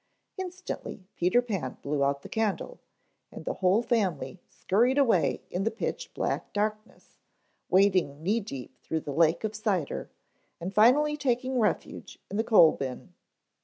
Instantly Peter Pan blew out the candle and the whole family scurried away in the pitch black darkness, wading knee deep through the lake of cider, and finally taking refuge in the coal bin.